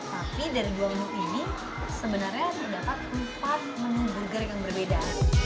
tapi dari dua menu ini sebenarnya terdapat empat menu burger yang berbeda